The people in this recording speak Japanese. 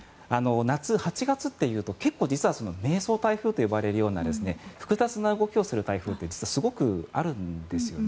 夏８月というと結構、実は迷走台風と呼ばれるような複雑な動きをする台風ってすごくあるんですよね。